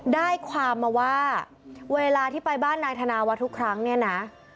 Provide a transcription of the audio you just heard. ได้ความมาว่าเวลาที่ไปบ้านนายธนาวัฒน์ทุกครั้งเนี่ยนะ